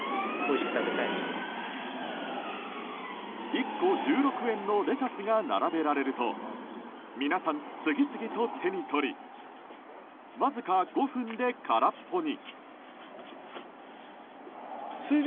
１個１６円のレタスが並べられると皆さん、次々と手に取りわずか５分で空っぽに。